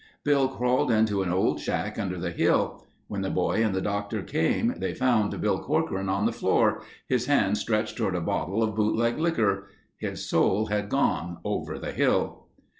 Bill crawled into an old shack under the hill. When the boy and the doctor came, they found Bill Corcoran on the floor, his hand stretched toward a bottle of bootleg liquor. His soul had gone over the hill.